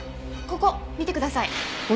ここ見てください。